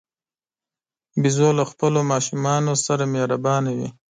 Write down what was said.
بیزو له خپلو ماشومانو سره مهربانه وي.